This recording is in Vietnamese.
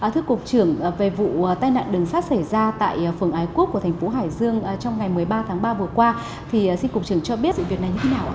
thưa cục trưởng về vụ tai nạn đường sắt xảy ra tại phường ái quốc của thành phố hải dương trong ngày một mươi ba tháng ba vừa qua thì xin cục trưởng cho biết sự việc này như thế nào